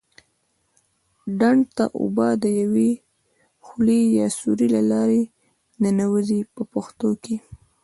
ډنډ ته اوبه د یوې خولې یا سوري له لارې ننوزي په پښتو کې.